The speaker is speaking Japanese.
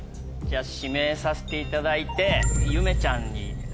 じゃあ指名させていただいてゆめちゃんに。